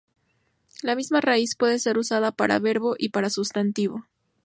La misma raíz puede ser usada para verbo y para sustantivos.